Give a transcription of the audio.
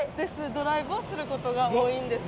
ドライブをする事が多いんですけど。